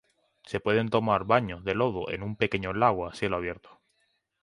Se pueden tomar baños de lodo en un pequeño lago a cielo abierto.